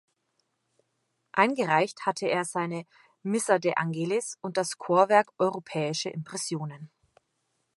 Eingereicht hatte er seine "Missa de Angelis" und das Chorwerk "Europäische Impressionen".